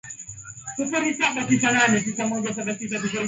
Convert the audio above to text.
historia ya usafirishaji iliongezewa janga kubwa zaidi